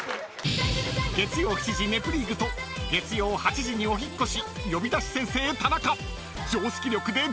［月曜７時『ネプリーグ』と月曜８時にお引っ越し『呼び出し先生タナカ』］